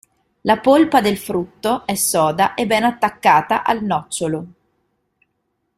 La polpa del frutto è soda e ben attaccata al nocciolo.